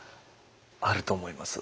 あると思います。